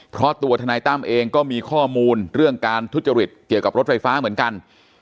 เพราะตัวทนายตั้มเองก็มีข้อมูลเรื่องการทุจริตเกี่ยวกับรถไฟฟ้าเหมือนกัน